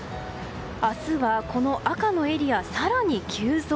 明日はこの赤のエリアが更に急増。